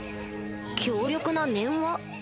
強力な念話